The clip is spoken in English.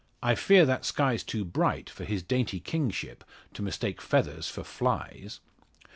I fear that sky's too bright for his dainty kingship to mistake feathers for flies."